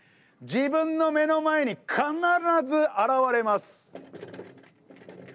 自分の目の前に必ず現れます。